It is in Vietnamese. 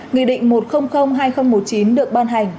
nghị định một triệu hai nghìn một mươi chín được ban hành